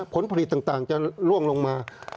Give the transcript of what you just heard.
ผลผลิตต่างจะล่วงลงมา